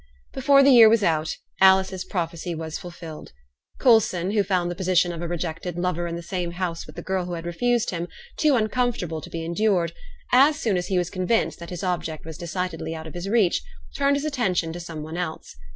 Before the year was out, Alice's prophecy was fulfilled. Coulson, who found the position of a rejected lover in the same house with the girl who had refused him, too uncomfortable to be endured, as soon as he was convinced that his object was decidedly out of his reach, turned his attention to some one else.